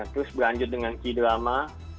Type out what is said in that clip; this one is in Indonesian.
terus berlanjut dengan k drama